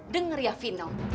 dengar ya vino